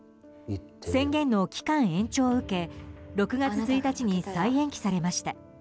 宣言の期間延長を受け６月１日に再延期されました。